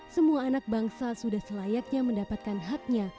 semua anak bangsa sudah selayaknya mendapatkan haknya